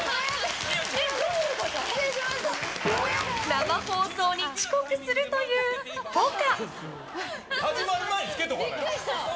生放送に遅刻するというポカ。